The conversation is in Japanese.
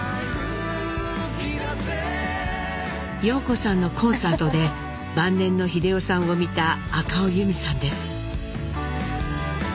陽子さんのコンサートで晩年の英夫さんを見た赤尾由美さんです。